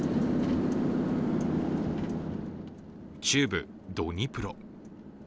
中部ドニプロ。